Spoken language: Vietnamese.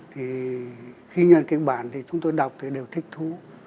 thì khi nhận kịch bản thì chúng tôi đọc thì đều thích thú